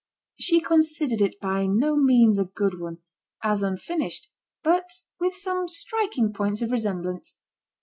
She considered it by no means a good one, as unfinished, but with some striking points of resem blance.